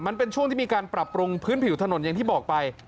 มันเป็นช่วงที่มีการปรับปรุงพื้นผิวถนนอย่างที่บอกไป